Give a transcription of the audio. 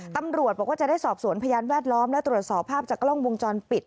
ตำรวจบอกว่าจะได้สอบสวนพยานแวดล้อมและตรวจสอบภาพจากกล้องวงจรปิด